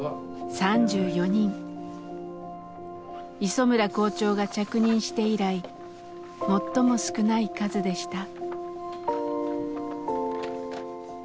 磯村校長が着任して以来最も少ない数でした。